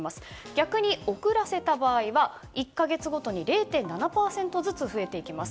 逆に遅らせた場合は１か月ごとに０．７％ずつ増えていきます。